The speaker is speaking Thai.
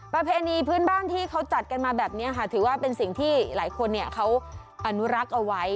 ประเพณีพื้นบ้านที่เขาจัดกันมาแบบนี้ค่ะถือว่าเป็นสิ่งที่หลายคนเขาอนุรักษ์เอาไว้